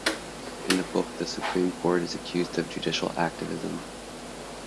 In the book the Supreme court is accused of Judicial Activism.